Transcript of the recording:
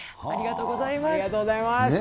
ありがとうございます。